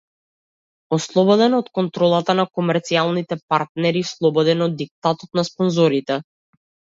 Ослободен од контролата на комерцијалните партнери, слободен од диктатот на спонзорите.